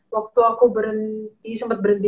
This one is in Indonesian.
waktu aku berhenti sempat berhenti